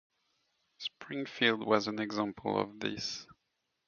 Springfield was an example of this.